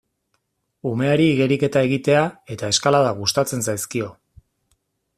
Umeari igeriketa egitea eta eskalada gustatzen zaizkio.